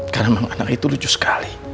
karena memang anak itu lucu sekali